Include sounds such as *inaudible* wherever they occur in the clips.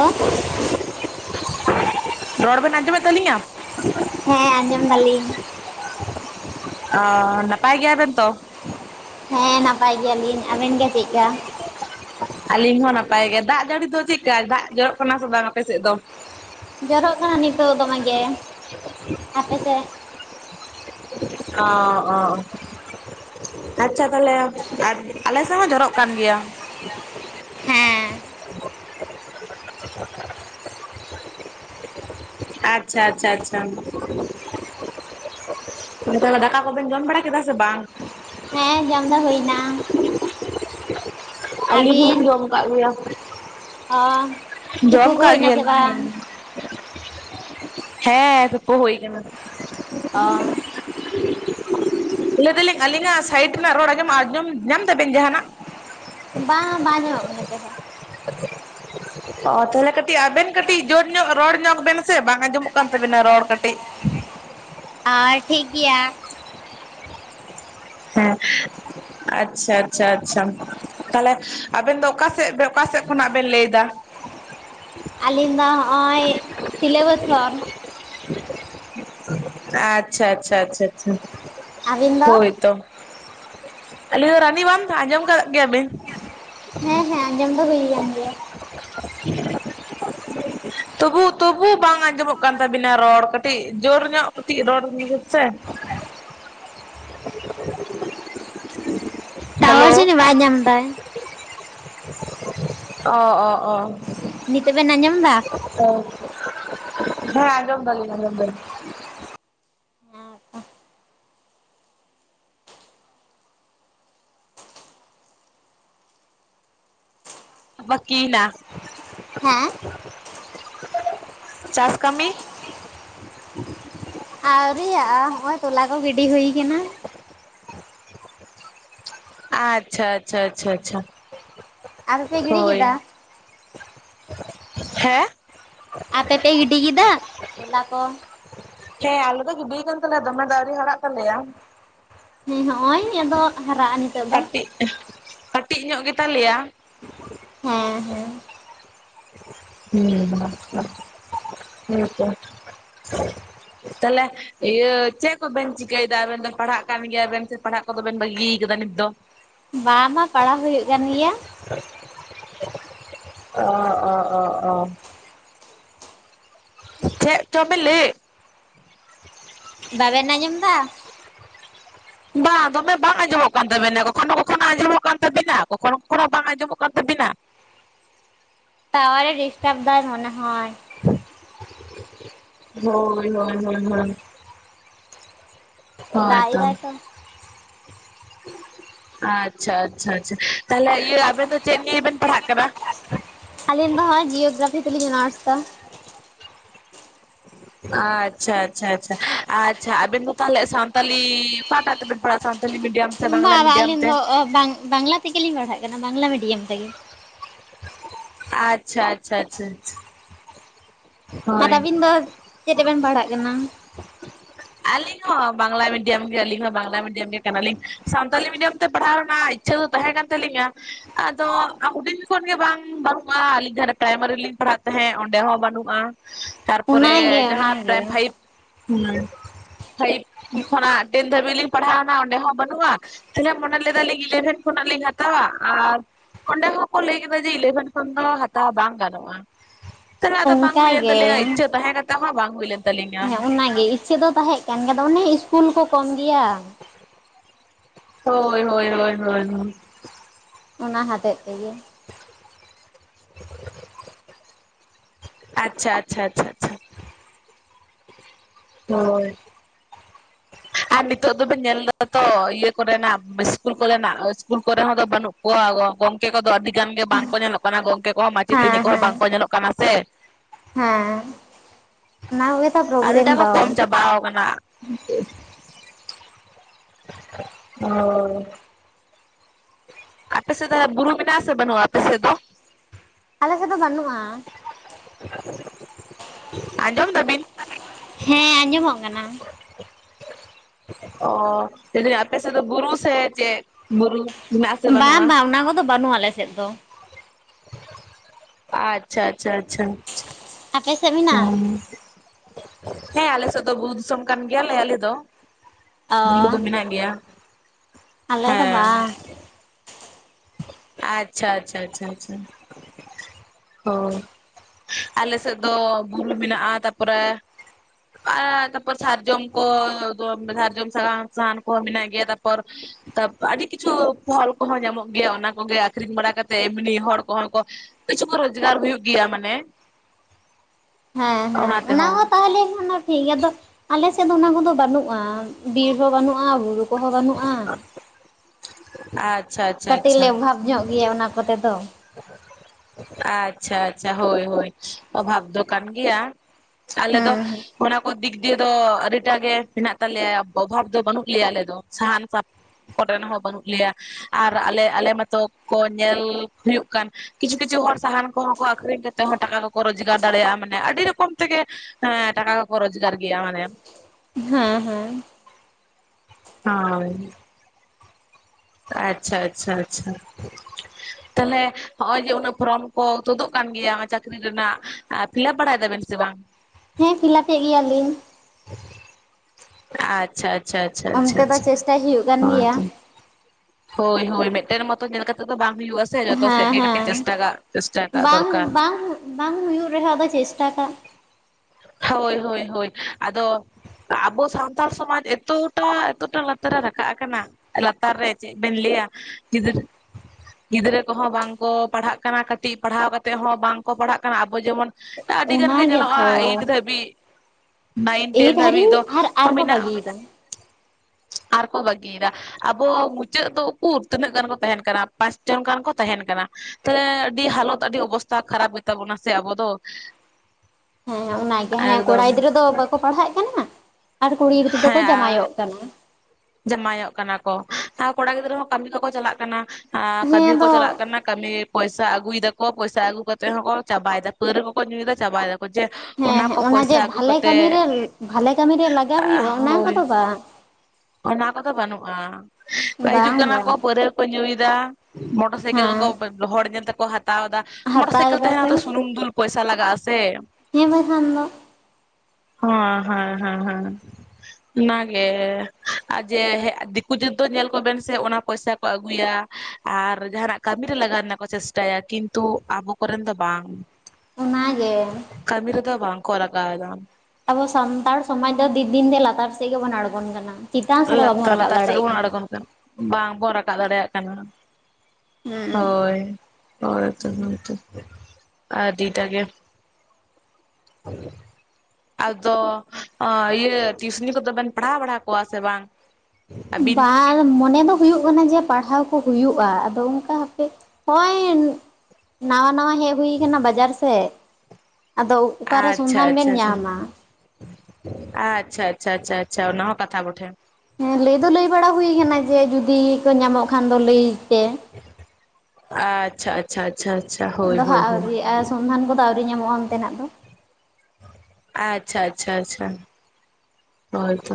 ᱚᱦ *inaudible* ᱨᱚᱲ ᱵᱮᱱ ᱟᱸᱡᱚᱢᱮᱫ ᱛᱟᱞᱤᱧᱟ ᱦᱮᱸ ᱟᱸᱡᱚᱢ ᱮᱫᱟᱞᱤᱧ ᱚ ᱱᱟᱯᱟᱭ ᱜᱮᱭᱟ ᱵᱮᱱ ᱛᱚ ᱦᱮᱸ ᱱᱟᱯᱟᱭ ᱜᱮᱭᱟᱞᱤᱧ ᱟᱵᱮᱱ ᱜᱮ ᱪᱮᱫ ᱞᱮᱠᱟ ᱟᱹᱞᱤᱧ ᱦᱚᱸ ᱱᱟᱯᱟᱭ ᱜᱮ ᱫᱟᱜ ᱡᱟᱹᱲᱤ ᱫᱚ ᱪᱮᱫᱠᱟ ᱫᱟᱜ ᱡᱚᱨᱚᱜ ᱠᱟᱱᱟ ᱥᱮ ᱵᱟᱝ ᱟᱯᱮ ᱥᱮᱫ ᱫᱚ ᱡᱚᱨᱚᱜ ᱠᱟᱱᱟ ᱱᱤᱛᱚᱜ ᱫᱚᱢᱮ ᱜᱮ ᱟᱯᱮ ᱥᱮᱫ ᱟ ᱚ ᱚ ᱟᱪᱷᱟ ᱛᱟᱦᱞᱮ ᱟᱞᱮ ᱥᱮᱫ ᱦᱚᱸ ᱡᱚᱨᱚᱜ ᱠᱟᱱ ᱜᱮᱭᱟ ᱦᱮᱸ *inaudible* ᱟᱪᱷᱟ ᱟᱪᱷᱟ ᱟᱪᱷᱟ *inaudible* *inaudible* ᱫᱟᱠᱟ ᱠᱚᱵᱮᱱ ᱡᱚᱢ ᱵᱟᱲᱟ ᱠᱮᱫᱟ ᱥᱮ ᱵᱟᱝ ᱦᱮᱸ ᱡᱚᱢ ᱫᱚ ᱦᱩᱭ ᱮᱱᱟ ᱟᱹᱞᱤᱧ ᱟᱹᱵᱤᱱ ᱦᱚᱸᱞᱤᱧ ᱡᱚᱢ ᱠᱟᱜ ᱜᱮᱭᱟ ᱚ *unintelligible* ᱛᱩᱯᱩ ᱠᱚ ᱡᱚᱢᱠᱟ ᱦᱩᱭᱱᱟ ᱥᱮ ᱜᱮᱭᱟᱞᱤᱧ ᱵᱟᱝ *unintelligible* ᱦᱮᱸ ᱛᱩᱯᱚ ᱦᱩᱭ ᱠᱟᱱᱟ ᱟᱨ ᱞᱟᱹᱭ ᱮᱫᱟᱞᱤᱧ ᱟᱹᱞᱤᱧᱟᱜ ᱥᱟᱭᱤᱰ ᱨᱮᱱᱟᱜ ᱨᱚᱲ ᱟᱸᱡᱚᱢ ᱟᱸᱡᱚᱢ ᱧᱟᱢ ᱮᱫᱟᱵᱮᱱ ᱡᱟᱦᱟᱱᱟᱜ ᱵᱟᱝ ᱵᱟᱝ ᱟᱸᱡᱚᱢᱚᱢᱜ ᱠᱟᱱᱟ ᱪᱮᱫ ᱦᱚᱸ ᱚ ᱛᱟᱦᱚᱞᱮ ᱠᱟᱹᱴᱤᱡ ᱟᱵᱮᱱ ᱠᱟᱹᱴᱤᱡ ᱡᱳᱨ ᱧᱚᱜ ᱨᱚᱲ ᱧᱚᱜ ᱵᱮᱱ ᱥᱮ ᱵᱟᱝ ᱟᱸᱡᱚᱢᱚᱜ ᱠᱟᱱ ᱛᱟᱵᱮᱱᱟ ᱨᱚᱲ ᱠᱟᱹᱴᱤᱡ ᱟᱨ ᱴᱷᱤᱠ ᱜᱮᱭᱟ ᱦᱮᱸ ᱟᱪᱪᱷᱟ ᱟᱪᱪᱷᱟ ᱟᱪᱪᱷᱟ ᱛᱟᱦᱞᱮ ᱟᱵᱮᱱ ᱫᱚ ᱚᱠᱟᱥᱮᱫ ᱚᱠᱟᱥᱮᱫ ᱠᱷᱚᱱᱟᱜ ᱵᱮᱱ ᱞᱟᱹᱭ ᱮᱫᱟ ᱟᱹᱞᱤᱧ ᱫᱚ ᱱᱚᱜᱼᱚᱭ ᱛᱤᱞᱟᱹ ᱯᱟᱛᱷᱚᱨ ᱟᱪᱪᱷᱟ ᱟᱪᱪᱷᱟ ᱟᱪᱪᱷᱟ ᱟᱪᱪᱷᱟ ᱟᱹᱵᱤᱱ ᱫᱚ ᱦᱳᱭ ᱛᱚ ᱟᱹᱞᱤᱧ ᱫᱚ ᱨᱟᱱᱤᱵᱟᱸᱫᱷ ᱟᱸᱡᱚᱢ ᱠᱟᱜ ᱜᱮᱭᱟᱵᱤᱱ ᱦᱮᱸ ᱦᱮᱸ ᱟᱸᱡᱚᱢ ᱫᱚ ᱦᱩᱭ ᱠᱟᱱ ᱜᱮᱭᱟ *unintelligible* ᱛᱚᱵᱩ ᱛᱚᱵᱩ ᱵᱟᱝ ᱟᱸᱡᱚᱢᱚᱜ ᱠᱟᱱ ᱛᱟᱵᱤᱱᱟ ᱨᱚᱲ ᱠᱟᱹᱴᱤᱡ ᱡᱳᱨ ᱧᱚᱜ ᱠᱟᱴᱤᱡ ᱨᱚᱲ ᱵᱤᱱ ᱥᱮ ᱴᱟᱣᱟᱨ ᱦᱮᱞᱳ *unintelligible* ᱡᱟᱹᱱᱤᱡ ᱵᱟᱭ ᱧᱟᱢ ᱮᱫᱟᱭ ᱚ ᱚ ᱱᱤᱛᱚᱜ ᱵᱮᱱ ᱟᱸᱡᱚᱢ ᱮᱫᱟ ᱚ ᱦᱮᱸ ᱟᱸᱡᱚᱢᱫᱟ ᱞᱤᱧ ᱟᱸᱡᱚᱢᱫᱟ ᱞᱤᱧ ᱵᱟᱠᱤ ᱱᱟ ᱦᱮᱸ *unintelligible* ᱪᱟᱥ ᱠᱟᱹᱢᱤ ᱟᱹᱶᱨᱤᱣᱟᱜ-ᱟ ᱱᱚᱜ-ᱚᱭ ᱛᱚᱞᱟ ᱠᱚ ᱜᱤᱰᱤ ᱦᱩᱭ ᱠᱟᱱᱟ ᱟᱪᱪᱷᱟ ᱟᱪᱪᱷᱟ ᱟᱪᱪᱷᱟ ᱟᱪᱪᱷᱟ ᱟᱯᱮ ᱯᱮ ᱜᱤᱰᱤ ᱦᱳᱭ ᱠᱮᱫᱟ? *unintelligible* ᱦᱮᱸ ᱟᱯᱮ ᱯᱮ ᱜᱤᱰᱤ ᱠᱮᱫᱟ ᱛᱚᱞᱟ ᱠᱚ ᱦᱮᱸ ᱟᱞᱮ ᱫᱚ ᱜᱤᱰᱤ ᱠᱟᱱ ᱛᱟᱞᱮᱭᱟ ᱫᱚᱢᱮ ᱟᱹᱶᱨᱤ ᱦᱟᱨᱟᱜ ᱛᱟᱞᱮᱭᱟ ᱦᱮᱸ ᱱᱚᱜ-ᱚᱭ ᱱᱤᱭᱟᱹ ᱟᱫᱚ ᱦᱟᱨᱟᱜ-ᱟ ᱠᱟᱹᱴᱤᱡ ᱠᱟᱹᱴᱤᱡ ᱧᱚᱜ ᱜᱮᱛᱟ ᱞᱮᱭᱟ ᱦᱮᱸ ᱦᱮᱸ *unintelligible* ᱦᱩᱸ ᱦᱮᱛᱚ *inaudible* ᱛᱟᱦᱞᱮ ᱤᱭᱟᱹ ᱪᱮᱫ ᱠᱚᱵᱮᱱ ᱪᱤᱠᱟᱹᱭᱮᱫᱟ ᱟᱵᱮᱱ ᱫᱚ ᱯᱟᱲᱦᱟᱜ ᱠᱟᱱ ᱜᱮᱭᱟᱵᱮᱱ ᱯᱟᱲᱦᱟᱜ ᱠᱚᱫᱚ ᱵᱟᱹᱜᱤ ᱠᱟᱫᱟ ᱱᱤᱛ ᱫᱚ ᱵᱟᱝ ᱵᱟᱝ ᱯᱟᱲᱦᱟᱣ ᱦᱩᱭᱩᱜ ᱠᱟᱱ ᱜᱮᱭᱟ *unintelligible* ᱚᱻᱚᱻᱚᱻᱚ ᱪᱮᱫ ᱪᱚ ᱵᱤᱱ ᱞᱟᱹᱭᱮᱫ ᱵᱟᱵᱮᱱ ᱟᱸᱡᱚᱢ ᱮᱫᱟ ᱵᱟᱝ ᱫᱚᱢᱮ ᱵᱟᱝ ᱟᱸᱡᱚᱢᱚᱜ ᱠᱟᱱ ᱛᱟᱵᱤᱱᱟ ᱠᱚᱠᱷᱚᱱᱳ ᱠᱚᱠᱷᱚᱱᱳ ᱟᱸᱡᱚᱢᱚᱜ ᱠᱟᱱ ᱛᱟᱵᱤᱱᱟ ᱠᱚᱠᱷᱚᱱᱳ ᱵᱟᱝ ᱟᱸᱡᱚᱢᱚᱜ ᱠᱟᱱ ᱛᱟᱵᱤᱱᱟ ᱴᱟᱣᱟᱨᱮ ᱰᱤᱥᱴᱟᱨᱵ ᱫᱟ ᱢᱚᱱᱮ ᱦᱚᱭ *unintelligible* ᱦᱳᱭ ᱦᱳᱭ ᱦᱳᱭ ᱦᱳᱭ ᱦᱳᱭ ᱫᱟᱜ ᱛᱚ ᱮᱫᱟᱭ ᱟᱪᱪᱷᱟ ᱟᱪᱪᱷᱟ ᱟᱪᱪᱷᱟ ᱛᱟᱦᱞᱮ ᱤᱭᱟᱹ ᱟᱵᱮᱱ ᱫᱚ ᱪᱮᱫ ᱱᱤᱭᱮ ᱵᱮᱱ ᱯᱟᱲᱦᱟᱜ ᱠᱟᱱᱟ ᱟᱹᱞᱤᱧ ᱫᱚ ᱦᱟᱸᱜ ᱡᱤᱭᱳᱜᱨᱟᱯᱷᱤ ᱛᱮᱞᱤᱧ ᱚᱱᱟᱨᱥ ᱫᱟ ᱟᱪᱪᱷᱟ ᱟᱪᱪᱷᱟ ᱟᱪᱪᱷᱟ ᱟᱪᱪᱷᱟ ᱟᱵᱮᱱ ᱫᱚ ᱛᱟᱦᱚᱞᱮ ᱥᱟᱱᱛᱟᱞᱤ ᱚᱠᱟᱴᱚᱜ ᱛᱮᱵᱤᱱ ᱯᱟᱲᱦᱟᱜ-ᱟ ᱥᱟᱱᱛᱟᱞᱤ ᱢᱮᱰᱤᱭᱟᱢ ᱛᱮ ᱵᱟᱝ ᱵᱟᱝ ᱟᱹᱞᱤᱧ ᱫᱚ ᱵᱟᱝᱞᱟ ᱛᱮᱜᱮᱞᱤᱧ ᱯᱟᱲᱦᱟᱜ ᱠᱟᱱᱟ ᱵᱟᱝᱞᱟ ᱢᱤᱰᱤᱭᱟᱢ ᱛᱮᱜᱮ ᱟᱪᱪᱷᱟ ᱟᱪᱪᱷᱟ ᱟᱪᱪᱷᱟ ᱟᱪᱷᱟ ᱟᱨ ᱟᱹᱵᱤᱱ ᱫᱚ ᱪᱮᱫ ᱨᱮᱵᱮᱱ ᱯᱟᱲᱦᱟᱜ ᱠᱟᱱᱟ ᱟᱹᱞᱤᱧ ᱦᱚᱸ ᱵᱟᱝᱞᱟ ᱢᱤᱰᱤᱭᱟᱢ ᱜᱮ ᱟᱹᱞᱤᱧ ᱦᱚᱸ ᱵᱟᱝᱞᱟ ᱢᱤᱰᱤᱭᱟᱢ ᱜᱮ ᱠᱟᱱᱟᱞᱤᱧ ᱥᱟᱱᱛᱟᱞᱤ ᱢᱤᱰᱤᱭᱟᱢ ᱛᱮ ᱯᱟᱲᱦᱟᱣ ᱨᱮᱱᱟᱜ ᱤᱪᱪᱷᱟᱹ ᱫᱚ ᱛᱟᱦᱮᱸ ᱠᱟᱱ ᱛᱟᱹᱟᱞᱤᱧᱟ ᱟᱫᱚ ᱦᱩᱰᱤᱧ ᱠᱷᱚᱱ ᱜᱮ ᱵᱟᱝ ᱵᱟᱹᱱᱩᱜ-ᱟ ᱟᱹᱞᱤᱧ ᱡᱟᱦᱟᱸ ᱯᱨᱟᱭᱢᱟᱨᱤᱞᱤᱧ ᱯᱟᱲᱦᱟᱜ ᱠᱟᱱᱟ ᱛᱟᱦᱮᱸᱫ ᱚᱸᱰᱮ ᱦᱚᱸ ᱵᱟᱹᱱᱩᱜ-ᱟ ᱛᱟᱨᱯᱚᱨᱮ ᱚᱱᱟᱜᱮ ᱡᱟᱦᱟᱸ ᱚᱱᱟᱜᱮ᱾ ᱯᱨᱟᱭ ᱯᱷᱟᱭᱤᱵ ᱦᱩ ᱯᱷᱟᱭᱤᱵ ᱠᱷᱚᱱᱟᱜ ᱴᱮᱱ ᱫᱷᱟᱹᱵᱤᱡ ᱞᱤᱧ ᱯᱟᱲᱦᱟᱣᱱᱟ ᱚᱸᱰᱮ ᱦᱚᱸ ᱵᱟᱹᱱᱩᱜ-ᱟ ᱛᱟᱦᱚᱞᱮ ᱢᱚᱱᱮ ᱞᱮᱫᱟᱞᱤᱧ ᱤᱞᱮᱹᱵᱷᱮᱱ ᱠᱷᱚᱱᱟᱜ ᱞᱤᱧ ᱦᱟᱛᱟᱣᱟ ᱟᱨ ᱚᱱᱰᱮ ᱦᱚᱸᱠᱚ ᱞᱟᱹᱭ ᱠᱮᱫᱟ ᱡᱮ ᱤᱞᱮᱵᱷᱮᱱ ᱠᱷᱚᱱ ᱫᱚ ᱦᱟᱛᱟᱣ ᱵᱟᱝ ᱜᱟᱱᱚᱜ-ᱟ ᱥᱟᱞᱟ ᱚᱫᱚ ᱵᱟᱝ ᱚᱱᱠᱟ ᱦᱩᱭ ᱞᱮᱱ ᱜᱮ ᱛᱟᱞᱤᱧᱟ ᱤᱪᱪᱷᱟᱹ ᱛᱟᱦᱮᱸᱸ ᱠᱟᱛᱮ ᱦᱚᱸ ᱵᱟᱝ ᱦᱩᱭ ᱞᱮᱱ ᱛᱟᱹᱞᱤᱧᱟ ᱦᱮᱸ ᱚᱱᱟᱜᱮ ᱤᱪᱪᱷᱟᱹ ᱫᱚ ᱛᱟᱦᱮᱸ ᱠᱟᱱ ᱜᱮ ᱚᱱᱮ ᱤᱥᱠᱩᱞ ᱠᱚ ᱠᱚᱢ ᱜᱮᱭᱟ ᱦᱳᱭ ᱦᱳᱭ ᱦᱳᱭ ᱦᱳᱭ ᱦᱳᱭ ᱚᱱᱟ ᱦᱚᱛᱮᱫ ᱛᱮᱜᱮ *unintelligible* ᱟᱪᱪᱷᱟ ᱟᱪᱪᱷᱟ ᱟᱪᱪᱷᱟ ᱟᱪᱪᱷᱟ ᱦᱳᱭ *inaudible* ᱟᱨ ᱱᱤᱛᱚᱜ ᱫᱚᱵᱮᱱ ᱧᱮᱞ ᱮᱫᱟ ᱛᱚ ᱤᱭᱟᱹ ᱠᱚᱨᱮᱱᱟᱜ ᱤᱥᱠᱩᱞ ᱠᱚᱨᱮᱱᱟᱜ ᱤᱥᱠᱩᱞ ᱠᱚᱨᱮ ᱦᱚᱸ ᱫᱚ ᱵᱟᱹᱱᱩᱜ ᱠᱚᱭᱟ ᱜᱚᱝᱠᱮ ᱠᱚᱫᱚ ᱟᱹᱰᱤ ᱜᱟᱱ ᱜᱮ ᱵᱟᱝ ᱠᱚ ᱧᱮᱞᱚᱜ ᱠᱟᱱᱟ ᱜᱚᱝᱠᱮ ᱠᱚᱦᱚᱸ ᱢᱟᱪᱮᱛᱟᱱᱤ ᱦᱮᱸ ᱠᱚᱦᱚᱸ ᱦᱮᱸ ᱵᱟᱝᱠᱚ ᱧᱮᱞᱚᱜ ᱠᱟᱱᱟ ᱥᱮ ᱦᱮᱸ ᱚᱱᱟ ᱠᱚᱜᱮ ᱛᱚ ᱯᱨᱚᱵᱞᱮᱢ ᱟᱰᱤᱴᱟ ᱠᱚ ᱫᱚ ᱠᱚᱢ ᱪᱟᱵᱟᱣ ᱠᱟᱱᱟ ᱦᱳᱭ ᱟᱯᱮ ᱥᱮ ᱫᱚ ᱵᱩᱨᱩ ᱢᱮᱱᱟᱜ-ᱟ ᱥᱮ ᱵᱟᱹᱱᱩᱜ-ᱟ ᱟᱯᱮ ᱥᱮᱫ ᱫᱚ ᱟᱞᱮᱥᱮᱫ ᱫᱚ ᱵᱟᱹᱱᱩᱜᱼᱟ *inaudible* ᱟᱸᱡᱚᱢ ᱫᱟᱵᱤᱱ ᱦᱮᱸ ᱟᱸᱡᱚᱢᱚᱜ ᱠᱟᱱᱟ ᱚ ᱞᱟᱹᱭᱫᱟᱹᱧ ᱟᱯᱮ ᱥᱮᱫ ᱫᱚ ᱵᱩᱨᱩ ᱥᱮ ᱪᱮᱫ ᱵᱩᱨᱩ ᱢᱮᱱᱟᱜ ᱟᱥᱮ ᱵᱟᱝ ᱵᱟᱹᱱᱩᱜᱼᱟ ᱵᱟᱝ ᱚᱱᱟ ᱠᱚᱫᱚ ᱵᱟᱹᱱᱩᱜᱼᱟ ᱟᱞᱮᱥᱮᱫ ᱫᱚ ᱟᱪᱪᱷᱟ ᱟᱪᱪᱷᱟ ᱟᱪᱪᱷᱟ ᱟᱯᱮ ᱥᱮ ᱦᱮᱸ ᱟᱞᱮ ᱥᱮᱫ ᱫᱚ ᱵᱩᱨᱩ ᱫᱤᱥᱚᱢ ᱠᱟᱱ ᱜᱮᱭᱟᱞᱮ ᱟᱞᱮ ᱫᱚ ᱱᱚᱣᱟ *unintelligible* ᱚ ᱠᱚᱫᱚ ᱢᱮᱱᱟᱜ ᱜᱮᱭᱟ ᱟᱞᱮ ᱫᱚ ᱦᱮᱸ ᱵᱟᱝ ᱟᱪᱪᱷᱟ ᱟᱪᱪᱷᱟ ᱟᱪᱪᱷᱟ ᱟᱪᱪᱷᱟ ᱚ ᱟᱞᱮ ᱥᱮᱫ ᱫᱚ ᱵᱩᱨᱩ ᱢᱮᱱᱟᱜᱼᱟ ᱛᱟᱨᱯᱚᱨᱮ ᱟᱨ ᱛᱟᱨᱯᱚᱨ ᱥᱟᱨᱡᱚᱢ ᱠᱚ ᱥᱟᱨᱡᱚᱢ ᱥᱟᱦᱟᱱ ᱥᱟᱦᱟᱱ ᱠᱚ ᱢᱮᱱᱟᱜ ᱜᱮᱭᱟ ᱛᱟᱨᱯᱚᱨ ᱛᱟᱯ ᱟᱹᱰᱤ ᱠᱤᱪᱷᱩ ᱯᱷᱚᱞ ᱠᱚᱦᱚᱸ ᱧᱟᱢᱚᱜ ᱚᱱᱟ ᱠᱚᱜᱮ ᱟᱠᱷᱨᱤᱧ ᱵᱟᱲᱟ ᱠᱟᱛᱮᱜ ᱮᱢᱱᱤ ᱦᱚᱲ ᱠᱚᱦᱚᱸ ᱠᱚ ᱠᱤᱪᱷᱩ ᱠᱚ ᱨᱚᱡᱽᱜᱟᱨ ᱦᱩᱭᱩᱜ ᱜᱮᱭᱟ ᱢᱟᱱᱮ ᱦᱮᱸ ᱦᱮᱸ ᱚᱱᱟ ᱦᱚᱸ ᱛᱟᱦᱚᱞᱮ ᱴᱷᱤᱠ ᱜᱮᱭᱟ ᱟᱫᱚ ᱟᱞᱮᱥᱮᱫ ᱫᱚ ᱚᱱᱟ ᱠᱚᱫᱚ ᱵᱟᱹᱱᱩᱜᱼᱟ ᱵᱤᱨ ᱦᱚᱸ ᱵᱟᱹᱱᱩᱜᱼᱟ ᱵᱩᱨᱩ ᱠᱚᱦᱚᱸ ᱵᱟᱹᱱᱩᱜᱼᱟ ᱟᱪᱪᱷᱟ *unintelligible* ᱠᱟᱹᱴᱤᱡ ᱞᱮ ᱚᱵᱷᱟᱵᱽ ᱧᱚᱜ ᱜᱮᱭᱟ ᱚᱱᱟ ᱠᱚᱛᱮ ᱫᱚ ᱟᱨ *unintelligible* ᱟᱪᱪᱷᱟ ᱟᱪᱪᱷᱟ ᱦᱳᱭ ᱦᱳᱭ ᱚᱵᱷᱟᱵᱽ ᱫᱚ ᱠᱟᱱ ᱜᱮᱭᱟ ᱟᱞᱮ ᱫᱚ ᱦᱮᱸ ᱚᱱᱟ ᱠᱚ ᱫᱤᱠ ᱫᱤᱭᱮ ᱫᱚ ᱟᱹᱰᱤᱴᱟᱜ ᱜᱮ ᱢᱮᱱᱟᱜ ᱛᱟᱞᱮᱭᱟ ᱚᱵᱷᱟᱵᱽ ᱫᱚ ᱵᱟᱹᱱᱩᱜ ᱞᱮᱭᱟ ᱟᱞᱮ ᱫᱚ ᱥᱟᱦᱟᱱ ᱥᱟ ᱠᱚᱨᱮᱱ ᱦᱚᱸ ᱵᱟᱹᱱᱩᱜ ᱞᱮᱭᱟ ᱟᱨ ᱟᱞᱮ ᱟᱞᱮ ᱢᱟᱛᱚ ᱠᱚ ᱧᱮᱞ ᱦᱩᱭᱩᱜ ᱠᱟᱱ ᱠᱤᱪᱷᱩ ᱠᱤᱪᱷᱩ ᱦᱚᱲ ᱥᱟᱦᱟᱱ ᱠᱚᱦᱚᱸ ᱠᱚ ᱟᱠᱷᱨᱤᱧ ᱠᱟᱛᱮᱫ ᱦᱚᱸ ᱴᱟᱠᱟ ᱠᱚᱠᱚ ᱨᱳᱡᱽᱜᱟᱨ ᱫᱟᱲᱮᱭᱟᱜᱼᱟ ᱢᱟᱱᱮ ᱟᱹᱰᱤ ᱨᱚᱠᱚᱢ ᱛᱮᱜᱮ ᱦᱮᱸ ᱴᱟᱠᱟ ᱠᱚᱠᱚ ᱨᱳᱡᱽᱜᱟᱨ ᱜᱮᱭᱟ ᱢᱟᱱᱮ ᱦᱮᱸ ᱦᱮᱸ ᱦᱳᱭ ᱟᱪᱪᱷᱟ ᱟᱪᱪᱷᱟ ᱟᱪᱪᱷᱟ ᱛᱟᱦᱞᱮ ᱦᱚᱸᱜᱼᱚᱭ ᱡᱮ ᱩᱱᱟᱹᱜ ᱯᱷᱨᱚᱢ ᱠᱚ ᱛᱳᱫᱳᱜ ᱠᱟᱱ ᱜᱮᱭᱟ ᱪᱟᱹᱠᱨᱤ ᱨᱮᱱᱟᱜ ᱯᱷᱤᱞᱟᱯ ᱵᱟᱲᱟᱭ ᱫᱟᱵᱮᱱ ᱥᱮ ᱵᱟᱝ ᱦᱮᱸ ᱯᱷᱤᱞᱟᱹᱯᱮᱜ ᱜᱮᱭᱟᱞᱤᱧ ᱦᱮᱸ *unintelligible* ᱟᱪᱪᱷᱟ ᱟᱪᱪᱷᱟ ᱟᱪᱪᱷᱟ ᱟᱪᱪᱷᱟ ᱚᱱᱛᱮ ᱫᱚ ᱟᱪᱪᱷᱟ ᱪᱮᱥᱴᱟᱭ ᱦᱩᱭᱩᱜ ᱠᱟᱱ ᱦᱮᱸ ᱜᱮᱭᱟ ᱛᱚ ᱦᱳᱭ ᱦᱳᱭ ᱢᱮᱫᱴᱮᱱ ᱢᱚᱛᱚ ᱧᱮᱞ ᱠᱟᱛᱮ ᱫᱚ ᱵᱟᱝ ᱦᱩᱭᱩᱜᱼᱟᱼᱼ ᱥᱮ ᱡᱚᱛᱚ ᱦᱮᱸ ᱥᱮᱫ ᱜᱮ ᱠᱟᱹᱴᱤᱡ ᱦᱮᱸ ᱪᱮᱥᱴᱟ ᱠᱟᱜ ᱪᱮᱥᱴᱟ ᱠᱟᱜ ᱫᱚᱨᱠᱟᱨ ᱵᱟᱝ ᱾ ᱵᱟᱝ ᱵᱟᱝ ᱦᱩᱭᱩᱜ ᱨᱮᱦᱚᱸ ᱟᱫᱚ ᱪᱮᱥᱴᱟ ᱠᱟᱜ ᱾ ᱦᱳᱭ ᱦᱳᱭ ᱦᱳᱭ ᱟᱫᱚ ᱼᱼ ᱟᱵᱚ ᱥᱟᱱᱛᱟᱲ ᱥᱚᱢᱟᱡᱽ ᱮᱛᱚᱴᱟ ᱮᱛᱚᱴᱟ ᱞᱟᱛᱟᱨ ᱨᱮ ᱨᱟᱠᱟᱵ ᱟᱠᱟᱱᱟ ᱾ ᱞᱟᱛᱟᱨ ᱨᱮ ᱪᱮᱫ ᱵᱮᱱ ᱞᱟᱹᱭᱟ ᱜᱤᱫᱽᱨᱟᱹ ᱼᱼ ᱜᱤᱫᱽᱨᱟᱹ ᱠᱚᱦᱚᱸ ᱵᱟᱝ ᱠᱚ ᱯᱟᱲᱦᱟᱜ ᱠᱟᱱᱟ ᱠᱟᱹᱴᱤᱡ ᱯᱟᱲᱦᱟᱣ ᱠᱟᱛᱮᱜ ᱦᱚᱸ ᱵᱟᱝ ᱠᱚ ᱯᱟᱲᱦᱟᱜ ᱠᱟᱱᱟ ᱟᱵᱚ ᱡᱮᱢᱚᱱ ᱼᱼ ᱟᱹᱰᱤ ᱜᱟᱱ ᱚᱱᱟ ᱜᱮ ᱜᱮᱛᱚ ᱧᱮᱞᱚᱜᱼᱟ ᱮᱭᱤᱴ ᱫᱷᱟᱹᱵᱤᱡ ᱾ ᱮᱭᱤᱴ ᱦᱟᱹᱨᱤᱡ ᱟᱨ ᱟᱨ ᱠᱚ ᱢᱮᱱᱟᱜ ᱵᱟᱹᱜᱤᱭᱮᱫᱟ ᱾ ᱟᱨᱠᱚ ᱵᱟᱜᱤ ᱮᱫᱟ ᱟᱵᱚ ᱢᱩᱪᱟᱹᱫ ᱫᱚ ᱩᱠᱩᱨ ᱛᱤᱱᱟᱹᱜ ᱜᱟᱱ ᱠᱚ ᱛᱟᱦᱮᱱ ᱠᱟᱱᱟ ᱯᱟᱸᱪ ᱡᱚᱱ ᱜᱟᱱ ᱠᱚ ᱛᱟᱦᱮᱱ ᱠᱟᱱᱟ ᱛᱟᱦᱞᱮ ᱟᱹᱰᱤ ᱦᱟᱞᱚᱛ ᱟᱹᱰᱤ ᱚᱵᱚᱥᱛᱷᱟ ᱠᱷᱟᱨᱟᱯ ᱜᱮ ᱛᱟᱵᱚᱱᱟ ᱥᱮ ᱟᱵᱚ ᱫᱚ᱾ ᱦᱮᱸ ᱚᱱᱟᱜᱮ ᱦᱮᱸ ᱠᱚᱲᱟ ᱮᱠᱫᱚᱢ ᱜᱤᱫᱽᱨᱟᱹ ᱫᱚ ᱵᱟᱠᱚ ᱯᱟᱲᱦᱟᱜ ᱠᱟᱱᱟ ᱟᱨ ᱠᱩᱲᱤ ᱜᱤᱫᱽᱨᱟᱹ ᱫᱚᱠᱚ ᱦᱮᱸ ᱡᱟᱶᱟᱭᱚᱜ ᱠᱟᱱᱟ᱾ ᱡᱟᱢᱟᱭᱚᱜ ᱠᱟᱱᱟ ᱠᱚ ᱟᱨ ᱠᱚᱲᱟ ᱜᱤᱫᱽᱨᱟᱹ ᱦᱚᱸ ᱠᱟᱹᱢᱤ ᱠᱚᱠᱚ ᱪᱟᱞᱟᱜ ᱠᱟᱱᱟ ᱟᱸ ᱦᱮᱸ ᱠᱟᱹᱢᱤ ᱦᱚᱸᱠᱚ ᱟᱫᱚ ᱪᱟᱞᱟᱜ ᱠᱟᱱᱟ ᱠᱟᱹᱢᱤ ᱯᱚᱭᱥᱟ ᱟᱹᱜᱩᱭ ᱫᱟᱠᱚ, ᱯᱚᱭᱥᱟ ᱟᱹᱜᱩ ᱠᱟᱛᱮ ᱦᱚᱸᱠᱚ ᱪᱟᱵᱟᱭᱮᱫᱟ᱾ ᱯᱟᱹᱣᱨᱟᱹ ᱠᱚ ᱠᱚ ᱧᱩᱭᱮᱫᱟ ᱪᱟᱵᱟᱭ ᱫᱟᱠᱚ᱾ ᱡᱮ ᱦᱮᱸ ᱚᱱᱟ ᱦᱮᱸ ᱠᱚ ᱯᱚᱭᱥᱟ ᱡᱮ ᱟᱹᱜᱩ ᱵᱷᱟᱞᱮ ᱠᱟᱛᱮᱜ ᱠᱟᱹᱢᱤᱨᱮ ᱼᱼ ᱵᱷᱟᱞᱮ ᱠᱟᱹᱢᱤ ᱨᱮ ᱞᱟᱜᱟᱣ ᱦᱩᱭᱩᱜᱼᱟ ᱚᱱᱟ ᱠᱚᱫᱚ ᱵᱟᱝ ᱾ ᱚᱱᱟ ᱠᱚᱫᱚ ᱵᱟᱹᱱᱩᱜᱼᱟ, ᱦᱤᱡᱩᱜ ᱵᱟᱝ ᱠᱟᱱᱟ ᱠᱚ ᱵᱟᱝ ᱯᱟᱹᱣᱨᱟᱹ ᱠᱚ ᱧᱩᱭᱮᱫᱟ ᱢᱚ ᱢᱚᱴᱚᱨ ᱥᱟᱭᱠᱮᱞ ᱦᱮᱸ ᱠᱚ ᱦᱚᱲ ᱧᱮᱞ ᱛᱮᱠᱚ ᱦᱟᱛᱟᱣ ᱮᱫᱟ ᱢᱚᱴᱚᱨ ᱦᱟᱛᱟᱣ ᱥᱟᱭᱠᱮᱞ ᱫᱟᱠᱚ ᱛᱟᱦᱮᱸᱦᱚᱸ ᱛᱚ ᱥᱩᱱᱩᱢ ᱫᱩᱞ ᱯᱚᱭᱥᱟ ᱞᱟᱜᱜᱟ ᱟ ᱥᱮ ᱦᱮᱸ ᱵᱟᱠᱷᱟᱱ ᱫᱚ ᱦᱚᱸ ᱦᱮᱸ ᱦᱮᱸ ᱦᱮᱸ ᱚᱱᱜᱮ ᱟᱨ ᱡᱮ ᱦᱮ ᱫᱤᱠᱩ ᱡᱟᱹᱛ ᱫᱚ ᱧᱮᱞ ᱠᱚᱵᱮᱱ ᱥᱮ ᱚᱱᱟ ᱯᱚᱭᱥᱟ ᱠᱚ ᱟᱹᱜᱩᱭᱟ ᱟᱨ ᱡᱟᱦᱱᱟᱜ ᱠᱟᱹᱢᱤ ᱨᱮ ᱞᱟᱜᱟᱣ ᱨᱮᱱᱟᱜ ᱠᱚ ᱪᱮᱥᱴᱟᱭᱟ ᱠᱤᱱᱛᱩ ᱟᱵᱚ ᱠᱚᱨᱮᱱ ᱫᱚ ᱵᱟᱝ ᱚᱱᱟᱜᱮ ᱠᱟᱹᱢᱤᱨ ᱨᱮᱫᱟ ᱵᱟᱝ ᱠᱚ ᱞᱟᱠᱟ ᱫᱟ᱾ ᱟᱵᱚ ᱥᱟᱱᱛᱟᱲ ᱥᱚᱢᱟᱡᱽ ᱫᱚ, ᱫᱤ ᱫᱤᱱ ᱛᱮ ᱞᱟᱛᱟᱨ ᱥᱮᱫ ᱜᱮᱵᱚᱱ ᱟᱬᱜᱚᱱ ᱠᱟᱱᱟ᱾ ᱪᱮᱛᱟᱱ ᱥᱮᱫ ᱫᱚ ᱵᱟᱵᱚᱱ ᱞᱟᱛᱟᱨ ᱨᱟᱠᱟᱵ ᱞᱟᱛᱟᱨ ᱥᱮᱫ ᱫᱟᱲᱮᱭᱟᱜ ᱜᱮᱵᱚᱱ ᱠᱟᱱᱟ᱾ ᱟᱬᱜᱚᱱ ᱵᱟᱝᱵᱚᱱ ᱨᱟᱠᱟᱵ ᱫᱟᱲᱮᱭᱟ-ᱜ ᱠᱟᱱᱟ᱾ ᱦᱩᱸ ᱦᱳᱭ ᱦᱳᱭᱛᱚ, ᱦᱳᱭᱛᱚ ᱟᱹᱰᱤ ᱴᱟ ᱜᱮ ᱦ *inaudible* ᱟᱫᱚ ᱤᱭᱟᱹ ᱴᱤᱭᱩᱥᱤᱱᱤ ᱠᱚᱫᱚ ᱵᱮᱱ ᱯᱟᱲᱦᱟᱣ ᱵᱟᱲᱟ ᱠᱚᱣᱟ ᱥᱮ ᱵᱟᱝ? ᱟᱹᱵᱤᱱ? ᱵᱟᱝ ᱢᱚᱱᱮ ᱫᱚ ᱦᱩᱭᱩ-ᱜ ᱠᱟᱱᱟ᱾ ᱡᱮ ᱯᱟᱲᱦᱟᱣ ᱠᱚ ᱦᱩᱭᱩᱜᱼᱟ ᱾ ᱟᱫᱚ ᱚᱱᱠᱟ ᱦᱟᱯᱮ ᱱᱚᱜᱼᱚᱭ ᱱᱟᱣᱟ, ᱱᱟᱣᱟ ᱦᱮᱡ ᱦᱩᱭ ᱠᱟᱱᱟ ᱾ᱵᱟᱡᱟᱨ ᱥᱮᱫ ᱟᱫᱚ ᱚᱠᱟᱨᱮ ᱟᱪᱪᱷᱟ ᱥᱚᱱᱫᱷᱟᱱ ᱵᱮᱱ ᱟᱪᱪᱷᱟ ᱟᱪᱪᱷᱟ ᱧᱟᱢᱟ ᱾ ᱟᱪᱪᱷᱟ ᱟᱪᱪᱷᱟ ᱟᱪᱪᱷᱟ ᱟᱪᱪᱷᱟ ᱚᱱᱟ ᱦᱚᱸ ᱠᱟᱛᱷᱟ ᱵᱚᱴᱷᱮ ᱾ ᱦᱮᱸ ᱞᱟᱹᱭ ᱫᱚ ᱞᱟᱹᱭ ᱵᱟᱲᱟ ᱦᱩᱭᱩ ᱠᱟᱱᱟ᱾ ᱡᱮ ᱡᱩᱫᱤ ᱠᱚ ᱧᱟᱢᱚᱜ ᱠᱷᱟᱱ ᱫᱚ ᱞᱟᱹᱭᱯᱮ᱾ ᱟᱪᱪᱷᱟ, ᱟᱪᱪᱷᱟ, ᱟᱪᱪᱷᱟ, ᱟᱪᱪᱷᱟ- ᱦᱳᱭ, ᱟᱫᱚ ᱦᱟᱸᱜ ᱦᱳᱭ, ᱦᱳᱭ᱾ ᱟᱹᱣᱨᱤᱭᱟᱜᱼᱟ ᱥᱚᱱᱫᱷᱟᱱ ᱠᱚᱫᱚ ᱟᱹᱣᱨᱤ ᱧᱟᱢᱚᱜ-ᱟ ᱚᱱᱛᱮᱱᱟᱜ ᱫᱚ ᱾ ᱟᱪᱪᱷᱟ, ᱟᱪᱪᱷᱟ, ᱟᱪᱪᱷᱟ ᱦᱳᱭ ᱛᱚ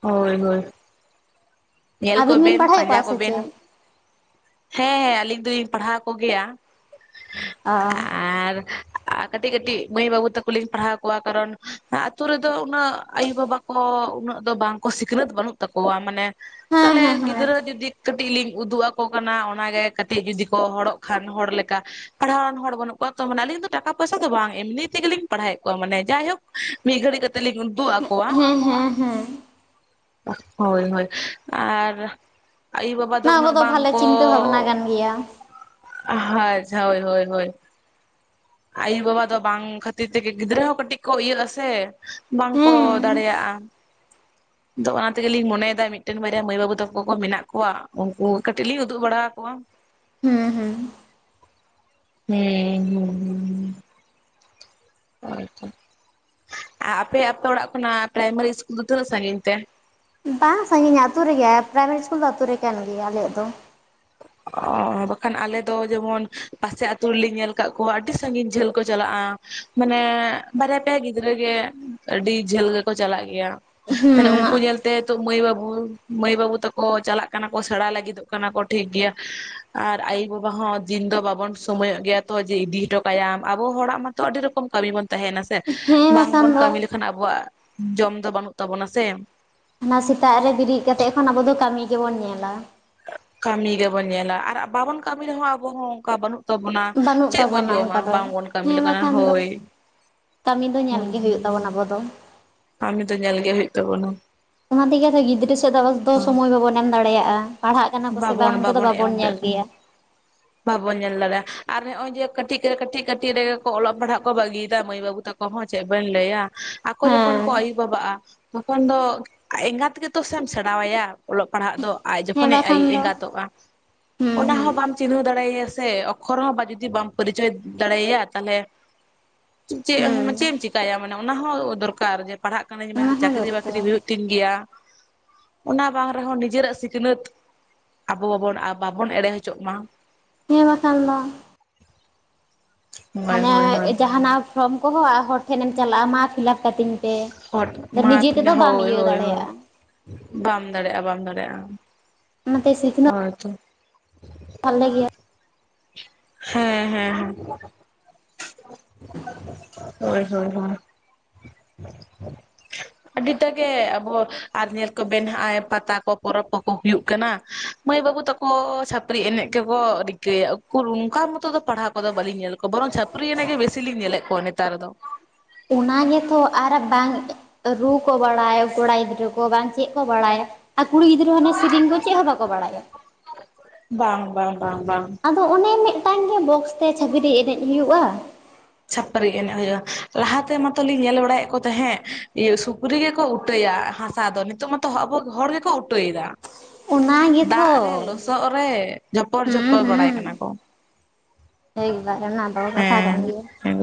ᱦᱳᱭ ᱦᱳᱭ ᱧᱮᱞ ᱟᱹᱵᱤᱱ ᱵᱤᱱ ᱠᱚᱵᱮᱱ ᱯᱟᱲᱦᱟᱣᱮᱫ ᱯᱟᱸᱡᱟ ᱠᱚᱣᱟ ᱥᱮ ᱠᱚᱵᱮᱱ᱾ ᱪᱮᱫ ᱦᱮᱸ ᱟᱹᱞᱤᱧ ᱫᱚᱞᱤᱧ ᱯᱟᱲᱦᱟᱣ ᱠᱚᱜᱮᱭ-ᱟ᱾ ᱚ ᱟᱨ ᱠᱟᱹᱴᱤᱡ ᱠᱟᱹᱴᱤᱡ ᱢᱟᱹᱭ ᱵᱟᱹᱵᱩ ᱛᱟᱠᱚ ᱞᱤᱧ ᱯᱟᱲᱦᱟᱣ ᱠᱚᱣᱟ᱾ ᱠᱟᱨᱚᱱ ᱟᱹᱛᱩ ᱨᱮᱫᱚ ᱩᱱᱟᱹᱜ ᱟᱭᱳᱼᱵᱟᱵᱟ᱾ ᱠᱚ ᱩᱱᱟᱹᱜ ᱫᱚ ᱵᱟᱝ ᱠᱚ ᱥᱤᱠᱷᱱᱟᱹᱛ ᱵᱟᱹᱱᱩᱜ ᱛᱟᱠᱚᱣᱟ᱾ ᱢᱟᱱᱮ ᱦᱮᱸ ᱛᱟᱦᱚᱞᱮ ᱦᱮᱸ ᱦᱮᱸ ᱜᱤᱫᱽᱨᱟᱹ ᱡᱩᱫᱤ ᱠᱟᱹᱴᱤᱡ ᱞᱤᱧ ᱩᱫᱩᱜ ᱟᱠᱚ ᱠᱟᱱᱟ ᱚᱱᱟᱜᱮ ᱠᱟᱹᱴᱤᱡ ᱡᱩᱫᱤ ᱠᱚ ᱦᱚᱲᱚᱜ ᱠᱷᱟᱱ ᱦᱚᱲ ᱞᱮᱠᱟ ᱾ ᱯᱟᱲᱦᱟᱣ ᱟᱱ ᱦᱚᱲ ᱵᱟᱹᱱᱩᱜ ᱠᱚᱣᱟ ᱛᱚ, ᱢᱟᱱᱮ ᱟᱞᱤᱧ ᱫᱚ ᱴᱟᱠᱟ ᱯᱚᱭᱥᱟ ᱫᱚ ᱵᱟᱝ ᱮᱢᱱᱤ ᱛᱮᱜᱮᱞᱤᱧ ᱯᱟᱲᱦᱟᱣᱮᱜ ᱠᱚᱣᱟ ᱢᱟᱱᱮ ᱡᱟᱭᱦᱳᱠ ᱢᱤᱫ ᱜᱷᱽᱟᱨᱤᱠ ᱠᱟᱛᱮ ᱞᱤᱧ ᱤᱫᱤᱜ ᱟᱠᱚ ᱦᱩᱸ, ᱦᱩᱸ, ᱦᱩᱸ᱾ ᱦᱳᱭ ᱦᱳᱭ ᱟᱨ ᱟᱭᱩ ᱵᱟᱵᱟ ᱫᱚ ᱱᱚᱣᱟ ᱩᱱᱟᱹᱜ ᱠᱚᱫᱚ ᱵᱟᱝ ᱵᱷᱟᱞᱮ ᱠᱚ ᱪᱤᱱᱛᱟᱹ ᱵᱷᱟᱵᱽᱱᱟ ᱠᱟᱱ ᱜᱮᱭᱟ ᱟᱪᱷᱟ ᱦᱳᱭ ᱦᱳᱭ᱾ ᱟᱭᱳ ᱵᱟᱵᱟ ᱫᱚ ᱵᱟᱝ ᱠᱷᱟᱹᱛᱤᱨ ᱛᱮᱜᱮ ᱜᱤᱫᱽᱨᱟᱹ ᱦᱚᱸ ᱠᱟᱹᱴᱤᱡ ᱠᱚ ᱤᱭᱟᱹᱜ ᱟᱥᱮ ᱵᱟᱝ ᱠᱚ ᱦᱮᱸ ᱫᱟᱲᱮᱭᱟᱜ-ᱟ᱾ *unintelligible* ᱫᱚ ᱚᱱᱟ ᱛᱮᱜᱮ ᱞᱤᱧ ᱢᱚᱱᱮᱭ ᱫᱟ ᱛᱚ ᱢᱤᱫᱴᱮᱱ ᱵᱟᱨᱭᱟ ᱢᱟᱹᱭ ᱵᱟᱹᱵᱩ ᱛᱟᱠᱚ ᱠᱚ ᱢᱮᱱᱟᱜ ᱠᱚᱣᱟ, ᱩᱱᱠᱩ ᱠᱟᱹᱴᱤᱡ ᱞᱤᱧ ᱩᱫᱩᱜ ᱵᱟᱲᱟ ᱟᱠᱚᱣᱟ᱾ ᱦᱩᱸ ᱦᱩᱸ᱾ *unintelligible* *unintelligible* ᱟᱪᱪᱷᱟ ᱟᱯᱮ ᱟᱯᱮ ᱚᱲᱟᱜ ᱠᱷᱚᱱᱟᱜ ᱯᱨᱟᱭᱢᱟᱨᱤ ᱤᱥᱠᱩᱞ ᱫᱚ ᱛᱤᱱᱟᱹᱜ ᱥᱟᱺᱜᱤᱧ ᱛᱮ? ᱵᱟᱝ ᱥᱟᱺᱜᱤᱧᱟ ᱟᱹᱛᱩ ᱨᱮᱜᱮ ᱯᱨᱟᱭᱢᱟᱨᱤ ᱤᱥᱠᱩᱞ ᱫᱚ ᱟᱹᱛᱩ ᱨᱮ ᱠᱟᱱ ᱜᱮᱭᱟ ᱟᱞᱮᱭᱟᱜ ᱫᱚ ᱾ ᱚᱻ ᱵᱟᱠᱷᱟᱱ ᱟᱞᱮ ᱫᱚ ᱡᱮᱢᱚᱱ ᱯᱟᱥᱮ ᱟᱹᱛᱩ ᱨᱮᱞᱤᱧ ᱧᱮᱞ ᱠᱟᱫ ᱠᱚᱣᱟ ᱟᱹᱰᱤ ᱥᱟᱺᱜᱤᱧ ᱡᱷᱟᱹᱞ ᱠᱚ ᱪᱟᱞᱟᱜᱼᱟ ᱾ ᱢᱟᱱᱮᱻ ᱵᱟᱨᱭᱟ ᱯᱮᱭᱟ ᱜᱤᱫᱽᱨᱟᱹ ᱜᱮ ᱟᱹᱰᱤ ᱡᱷᱟᱹᱞ ᱜᱮᱠᱚ ᱪᱟᱞᱟᱜ ᱜᱮᱭᱟ ᱾ ᱛᱟᱦᱞᱮ ᱩᱱᱼᱼ ᱠᱩ ᱦᱮᱸ ᱧᱮᱞ ᱛᱮ ᱱᱤᱛᱚᱜ ᱢᱟᱹᱭ ᱵᱟᱹᱵᱩ ᱢᱟᱹᱭ ᱵᱟᱹᱵᱩ ᱛᱟᱠᱚ ᱪᱟᱞᱟᱜ ᱠᱟᱱᱟ ᱠᱚ ᱥᱮᱬᱟ ᱞᱟᱹᱜᱤᱫᱚᱜ ᱠᱟᱱᱟ ᱠᱚ ᱴᱷᱤᱠ ᱜᱮᱭᱟ ᱾ ᱟᱨ ᱟᱭᱳ ᱵᱟᱵᱟ ᱦᱚᱸ ᱫᱤᱱ ᱫᱚ ᱵᱟᱵᱚᱱ ᱥᱚᱢᱚᱭᱚᱜ ᱜᱮᱭᱟ ᱛᱚ ᱡᱮ ᱤᱫᱤ ᱦᱚᱴᱚ ᱠᱟᱭᱟᱢ ᱟᱵᱚ ᱦᱚᱲᱟᱜ ᱢᱟᱼᱼ ᱛᱚ ᱟᱹᱰᱤ ᱨᱚᱠᱚᱢ ᱠᱟᱹᱢᱤ ᱵᱚᱱ ᱛᱟᱦᱮᱱᱟ ᱦᱮᱸ ᱾ ᱵᱟᱝ ᱵᱟᱠᱷᱟᱱ ᱵᱚᱱ ᱫᱚ ᱠᱟᱹᱢᱤ ᱞᱮᱠᱷᱟᱱ ᱟᱵᱚᱣᱟᱜ ᱡᱚᱢ ᱫᱚ ᱵᱟᱹᱱᱩᱜ ᱛᱟᱵᱚᱱᱟ ᱥᱮ ᱾ ᱚᱱᱟ ᱥᱮᱛᱟᱜ ᱨᱮ ᱵᱤᱨᱤᱫ ᱠᱟᱛᱮᱜ ᱠᱷᱚᱱ ᱟᱵᱚ ᱫᱚ ᱠᱟᱹᱢᱤ ᱜᱮ ᱵᱚᱱ ᱧᱮᱞᱟ ᱾ ᱠᱟᱹᱢᱤ ᱜᱮ ᱵᱚᱱ ᱧᱮᱞᱟ ᱟᱨ ᱵᱟᱵᱚᱱ ᱠᱟᱹᱢᱤ ᱨᱮᱦᱚᱸ ᱟᱵᱚ ᱦᱚᱸ ᱚᱱᱠᱟ ᱵᱟᱹᱱᱩᱜ ᱼᱼ *unintelligible* ᱵᱟᱹᱱᱩᱜ ᱪᱮᱫ ᱵᱚᱱ ᱛᱟᱵᱚᱱᱟ ᱡᱚᱢᱟ ᱚᱱᱠᱟ ᱫᱚ ᱵᱟᱝᱵᱚᱱ ᱠᱟᱹᱢᱤ ᱦᱮᱸ ᱞᱮᱠᱷᱟᱱ ᱵᱟᱠᱷᱟᱱ ᱫᱚ ᱦᱳᱭ ᱾ ᱠᱟᱹᱢᱤ ᱫᱚ ᱧᱮᱞ ᱜᱮ ᱦᱩᱭᱩᱜ ᱛᱟᱵᱚᱱᱟ ᱟᱵᱚ ᱫᱚ ᱾ ᱠᱟᱢᱤ ᱫᱚ ᱧᱮᱞ ᱜᱮ ᱦᱳᱭᱩᱜ ᱛᱟᱵᱚᱱᱟ ᱾ ᱚᱱᱟ ᱛᱮᱜᱮ ᱛᱚ ᱜᱤᱫᱽᱨᱟᱹ ᱥᱮᱫ ᱫᱚ ᱫᱚ ᱥᱚᱢᱚᱭ ᱵᱟᱵᱚᱱ ᱮᱢ ᱫᱟᱲᱮᱭᱟᱜᱼᱟ ᱾ ᱯᱟᱲᱦᱟᱜ ᱠᱟᱱᱟ ᱠᱚ ᱥᱮ ᱵᱟᱝ ᱵᱟᱵᱚᱱ ᱚᱱᱛᱮ ᱫᱚ ᱵᱟᱵᱚᱱ ᱮᱢ ᱧᱮᱞ ᱫᱟᱲᱮᱭᱟᱜᱼᱟ ᱜᱮᱭᱟ ᱾ ᱵᱟᱵᱚᱱ ᱧᱮᱞ ᱫᱟᱲᱮᱭᱟᱜᱼᱟ ᱟᱨ ᱱᱚᱜᱼᱚᱭ ᱡᱮ ᱠᱟᱹᱴᱤᱡ ᱠᱟᱹᱴᱤᱡ ᱠᱟᱹᱴᱤᱡ ᱨᱮᱜᱮ ᱠᱚ ᱚᱞᱚᱜ ᱯᱟᱲᱦᱟᱜ ᱠᱚ ᱵᱟᱹᱜᱤᱭ ᱫᱟ ᱢᱟᱹᱭ ᱵᱟᱹᱵᱩ ᱛᱟᱠᱚ ᱼᱼ ᱠᱚᱦᱚᱸ ᱪᱮᱫ ᱵᱮᱱ ᱞᱟᱹᱭᱟ ᱟᱠᱚ ᱡᱚᱠᱷᱚᱱ ᱦᱮᱸ ᱠᱚ ᱟᱭᱩ ᱵᱟᱵᱟᱜᱼᱟ ᱼᱼ ᱛᱚᱠᱷᱚᱱ ᱫᱚ ᱮᱸᱜᱟᱛ ᱜᱮᱛᱚ ᱥᱮᱢ ᱥᱮᱬᱟᱣᱟᱭᱟ ᱚᱞᱚᱜ ᱯᱟᱲᱦᱟᱜ ᱫᱚ ᱾ ᱦᱮᱸ ᱚᱱᱮ ᱵᱟᱠᱷᱟᱱ ᱟᱭᱤᱡ ᱫᱚ ᱮᱸᱜᱟᱛᱚᱜᱼᱟ ᱾ ᱦᱩᱸ ᱚᱱᱟ ᱦᱩᱸ ᱦᱚᱸ ᱵᱟᱢ ᱼᱼ ᱪᱤᱱᱦᱟᱹᱣ ᱫᱟᱲᱮᱭᱟᱭᱟ ᱥᱮ ᱚᱠᱠᱷᱚᱨ ᱦᱚᱸ ᱵᱟ ᱡᱩᱫᱤ ᱵᱟᱢ ᱯᱟᱨᱤᱪᱚᱭ ᱫᱟᱲᱮᱭᱟᱭᱟ ᱛᱟᱦᱚᱞᱮ ᱼᱼ ᱦᱩᱸ ᱪᱮᱫ ᱪᱮᱫ ᱮᱢ ᱪᱮᱠᱟᱭᱟ ᱢᱟᱱᱮ ᱚᱱᱟ ᱦᱚᱸ ᱫᱚᱨᱠᱟᱨ ᱡᱮ ᱼᱼ ᱯᱟᱲᱦᱟᱜ ᱠᱟᱹᱱᱟᱹᱧ ᱚᱱᱟ ᱢᱮᱱᱛᱮ ᱦᱚᱸ ᱪᱟᱹᱠᱨᱤ ᱫᱚᱨᱠᱟᱨ ᱵᱟᱹᱠᱨᱤ ᱦᱩᱭᱩᱜ ᱛᱤᱧ ᱜᱮᱭᱟ ᱚᱱᱟ ᱵᱟᱝ ᱨᱮᱦᱚᱸ ᱱᱤᱡᱮᱨᱟᱜ ᱥᱤᱠᱷᱱᱟᱹᱛ ᱼᱼ ᱟᱵᱚ ᱵᱟᱵᱚᱱ ᱵᱟᱵᱚᱱ ᱮᱲᱮ ᱦᱚᱪᱚᱜ ᱢᱟ ᱾ ᱦᱮᱸ ᱵᱟᱠᱷᱟᱱ ᱫᱚ ᱾ ᱦᱳᱭ ᱦᱟᱱᱮ ᱦᱳᱭ ᱦᱳᱭ ᱡᱟᱦᱟᱱᱟᱜ ᱯᱷᱨᱚᱢ ᱠᱚᱦᱚᱸ ᱦᱚᱲ ᱴᱷᱮᱱ ᱮᱢ ᱪᱟᱞᱟᱜᱼᱟ ᱢᱟ ᱯᱷᱤᱞᱟᱯ ᱼᱼ ᱠᱟᱹᱛᱤᱧ ᱯᱮ ᱟᱫᱚ ᱢᱟ ᱱᱤᱡᱮ ᱛᱮᱫᱚ ᱵᱟᱢ ᱦᱳᱭ ᱤᱭᱟᱹ ᱦᱳᱭ ᱦᱳᱭ ᱫᱟᱲᱮᱭᱟᱜᱼᱟ ᱾ ᱵᱟᱢ ᱫᱟᱲᱮᱭᱟᱜᱼᱟ ᱵᱟᱢ ᱫᱟᱲᱮᱭᱟᱜᱼᱟ ᱚᱱᱟᱛᱮ ᱥᱤᱠᱷᱱᱟᱹᱛ ᱦᱳᱭ ᱛᱚ ᱾ ᱵᱷᱟᱞᱮ ᱜᱮᱭᱟ ᱾ ᱦᱮᱸ ᱦᱮᱸ ᱦᱮᱸ ᱾ ᱦᱳᱭ ᱦᱳᱭ ᱦᱳᱭ ᱾ ᱟᱹᱰᱤᱴᱟᱜ ᱜᱮ ᱟᱵᱚ ᱟᱨ ᱧᱮᱞ ᱠᱚᱵᱮᱱ ᱱᱟᱜᱼᱟᱭ ᱯᱟᱛᱟ ᱠᱚ ᱯᱚᱨᱚᱵᱽ ᱠᱚᱠᱚ ᱦᱩᱭᱩᱜ ᱠᱟᱱᱟ ᱾ ᱢᱟᱹᱭ ᱵᱟᱹᱵᱩ ᱛᱟᱠᱚ ᱪᱷᱟᱹᱯᱨᱤ ᱮᱱᱮᱡ ᱜᱮ ᱠᱚ ᱨᱤᱠᱟᱹᱭᱟ, ᱩᱠᱩᱨ ᱚᱱᱠᱟ ᱢᱚᱛᱚ ᱫᱚ ᱯᱟᱲᱦᱟᱣ ᱠᱚᱫᱚ ᱵᱟᱹᱞᱤᱧ ᱧᱮᱞ ᱠᱚᱣᱟ ᱵᱚᱨᱚᱝ ᱪᱷᱟᱹᱯᱼᱼ ᱯᱨᱤ ᱮᱱᱮᱡ ᱜᱮ ᱵᱮᱥᱤ ᱞᱤᱧ ᱧᱮᱞᱮᱫ ᱠᱚᱣᱟ ᱱᱮᱛᱟᱨ ᱫᱚ ᱾ ᱚᱱᱟ ᱜᱮᱛᱚ ᱟᱨ ᱵᱟᱝ ᱾ ᱨᱩ ᱠᱚ ᱵᱟᱲᱟᱭ ᱠᱚᱲᱟ ᱜᱤᱫᱽᱨᱟᱹ ᱠᱚ ᱵᱟᱝ ᱪᱮᱫ ᱠᱚ ᱵᱟᱲᱟᱭ᱾ ᱟᱨ ᱠᱩᱲᱤ ᱜᱤᱫᱽᱨᱟᱹ ᱦᱚᱸ ᱚᱱᱮ ᱥᱮᱨᱮᱧ ᱠᱚ ᱪᱮᱫ ᱦᱚᱸ ᱵᱟᱠᱚ ᱵᱟᱲᱟᱭᱟ᱾ ᱵᱟᱝ ᱵᱟᱝ ᱵᱟᱝ ᱵᱟᱝ᱾ ᱟᱫᱚ ᱚᱱᱮ ᱢᱤᱫᱴᱟᱝ ᱜᱮ ᱵᱚᱠᱥ ᱛᱮ ᱪᱷᱟᱹᱯᱨᱤ ᱮᱱᱮᱡ ᱦᱩᱭᱩᱜᱼᱟ᱾ ᱪᱷᱟᱹᱯᱨᱤ ᱮᱱᱮᱡ ᱦᱩᱭᱩᱜᱼᱟ, ᱞᱟᱦᱟᱛᱮ ᱢᱟᱛᱚ ᱞᱤᱧ ᱧᱮᱞ ᱵᱟᱲᱟᱭᱮᱫ ᱠᱚ ᱛᱟᱦᱮᱸᱫ ᱤᱭᱟᱹ ᱥᱩᱠᱨᱤ ᱜᱮᱠᱚ ᱩᱴᱟᱹᱭᱟ᱾ᱦᱟᱥ ᱟᱫᱚ ᱱᱤᱛᱚᱜ ᱢᱟᱛᱚ ᱟᱵᱚ ᱦᱚᱲ ᱜᱮᱠᱚ ᱩᱴᱟᱹᱭᱮᱫᱟ᱾ ᱚᱱᱟ ᱫᱟᱜ ᱜᱮᱛᱚ ᱨᱮ ᱞᱚᱥᱚᱫ ᱨᱮ ᱡᱷᱚᱯᱚᱲᱼ ᱦᱩᱸ ᱡᱷᱚᱯᱚᱲ ᱵᱟᱲᱟᱭ ᱠᱟᱱᱟ ᱠᱚ᱾ ᱦᱳᱭ *inaudible* *inaudible* ᱠᱟᱛᱷᱟ ᱜᱟᱱ ᱜᱮᱭᱟ᱾ ᱦᱮᱸ᱾